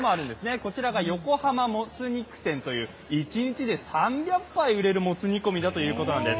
こちらが横浜もつ肉店という、一日で３００杯売れるもつ煮込みということなんです。